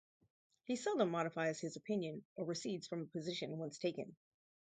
He seldom modifies his opinion or recedes from a position once taken.